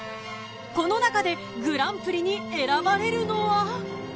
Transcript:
［この中でグランプリに選ばれるのは］